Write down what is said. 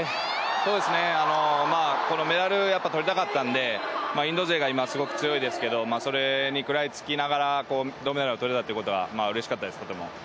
このメダルやっぱり、とりたかったのでインド勢が今すごく強いですけどそれに食らいつきながら銅メダルをとれたっていうことはうれしかったです、とても。